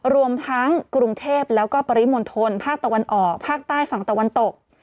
รวมทั้งกรุงเทพแล้วก็ปริมณฑลภาคตะวันออกภาคใต้ฝั่งตะวันตก